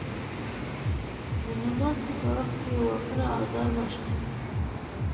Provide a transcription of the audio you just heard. د نماستي په وخت يې وا کړه ازار مه شه